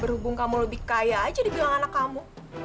berhubung kamu lebih kaya aja dibilang anak kamu